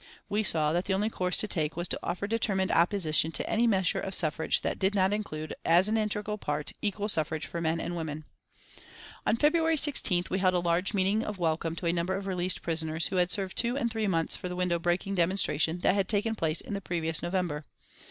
We saw that the only course to take was to offer determined opposition to any measure of suffrage that did not include as an integral part, equal suffrage for men and women. On February 16th we held a large meeting of welcome to a number of released prisoners who had served two and three months for the window breaking demonstration that had taken place in the previous November.